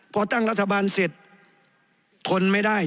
พอตั้งรัฐบาลเสร็จทนไม่ได้